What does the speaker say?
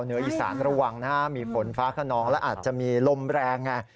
เหนืออีสานระวังนะฮะมีฝนฟ้าขนองและอาจจะมีลมแรงไง